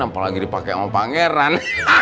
apalagi dipakai sama pangeran